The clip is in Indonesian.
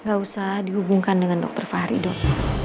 gak usah dihubungkan dengan dokter fahri dok